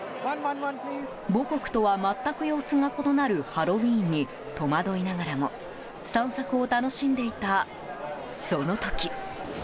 母国とは全く様子が異なるハロウィーンに戸惑いながらも散策を楽しんでいた、その時。